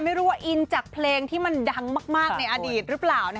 ไม่รู้ว่าอินจากเพลงที่มันดังมากในอดีตหรือเปล่า